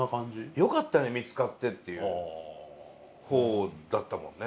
「よかったね見つかって」っていう方だったもんね。